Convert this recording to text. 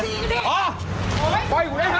นี่นี่นี่นี่นี่นี่นี่นี่นี่นี่